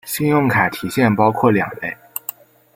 信用卡提现包括两类。